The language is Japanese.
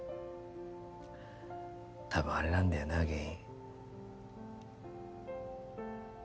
たぶんあれなんだよな原因